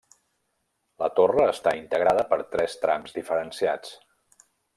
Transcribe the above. La torre està integrada per tres trams diferenciats.